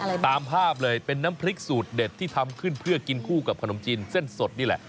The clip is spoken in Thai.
ตามภาพเลยเป็นน้ำพริกสูตรเด็ดที่ทำขึ้นเพื่อกินคู่กับขนมจีนเส้นสดนี่แหละ